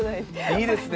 いいですね